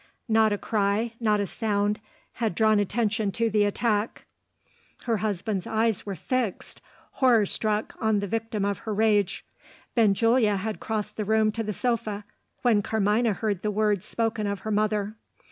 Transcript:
Not a cry, not a sound, had drawn attention to the attack. Her husband's eyes were fixed, horror struck, on the victim of her rage. Benjulia had crossed the room to the sofa, when Carmina heard the words spoken of her mother.